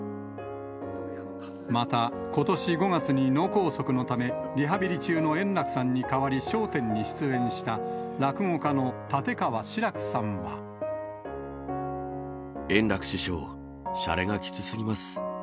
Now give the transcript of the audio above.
また、ことし５月に脳梗塞のため、リハビリ中の円楽さんに代わり笑点に出演した落語家の立川志らく円楽師匠、しゃれがきつすぎます。